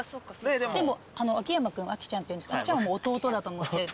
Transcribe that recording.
でも秋山君秋ちゃんっていうんですけど秋ちゃんは弟だと思って。